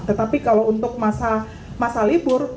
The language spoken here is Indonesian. tetapi kalau untuk masa libur